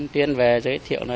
tiên về giới thiệu